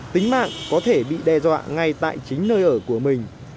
tính mạng có thể bị đe dọa ngay tại chính nơi ở của mình